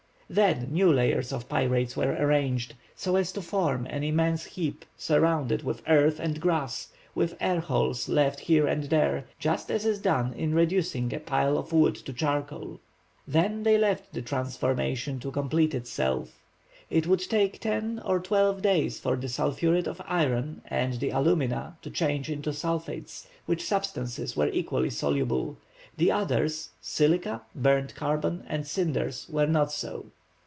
Then new layers of pyrites were arranged so as to form an immense heap, surrounded with earth, and grass, with air holes left here and there, just as is done in reducing a pile of wood to charcoal. Then they left the transformation to complete itself. It would take ten or twelve days for the sulphuret of iron and the alumina to change into sulphates, which substances were equally soluble; the others—silica, burnt carbon, and cinders—were not so.